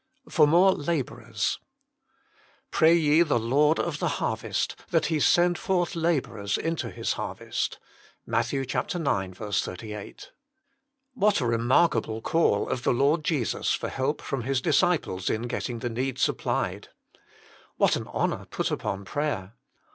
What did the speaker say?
|For more abirarer " Pray ye the Lord of the harvest, that lie send forth labourers into His harvest." MATT. ix. 38. What a remarkable call of the Lord Jesus for help from His disciples in getting the need supplied. What an honour put upon prayer.